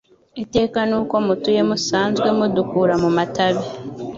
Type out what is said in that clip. Iteka n'uko mutuye Musanzwe mudukura mu matabe,